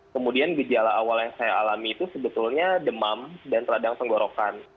kemudian gejala awal yang saya alami itu sebetulnya demam dan radang tenggorokan